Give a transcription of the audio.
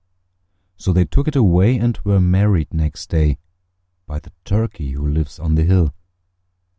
So they took it away, and were married next day By the Turkey who lives on the hill.